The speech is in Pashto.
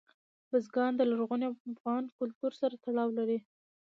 بزګان د لرغوني افغان کلتور سره تړاو لري.